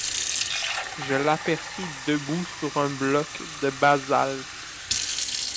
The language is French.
Je l’aperçus debout sur un bloc de basalte.